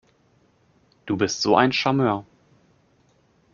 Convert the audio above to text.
Du bist so ein Charmeur!